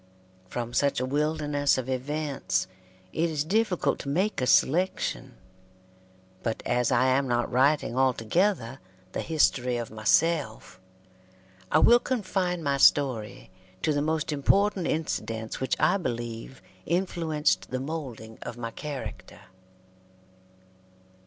From such a wilderness of events it is difficult to make a selection, but as I am not writing altogether the history of myself, I will confine my story to the most important incidents which I believe influenced the moulding of my character.